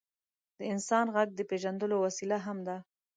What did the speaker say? د انسان ږغ د پېژندلو وسیله هم ده.